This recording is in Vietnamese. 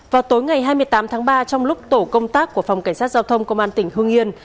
vào tối ngày hai mươi tám tháng ba trong lúc tổ công tác của phòng cảnh sát giao thông công an tỉnh hương yên